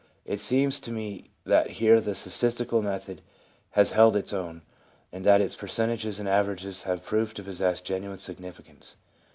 It seems to me that here the statistical method has held its own, and that its percentages and averages have proved to possess PREFACE ix genuine significance.